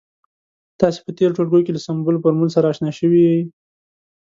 تاسې په تیرو ټولګیو کې له سمبول، فورمول سره اشنا شوي يئ.